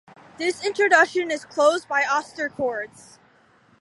This introduction is closed by austere chords.